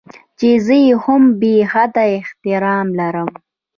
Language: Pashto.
چې زه يې هم بې حده احترام لرم.